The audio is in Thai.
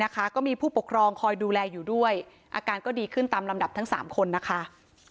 ก็มีผู้ปกครองคอยดูแลอยู่ด้วยอาการก็ดีขึ้นตามลำดับทั้ง๓คนนะคะ